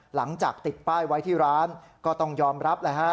หลังจากติดป้ายไว้ที่ร้านก็ต้องยอมรับแหละฮะ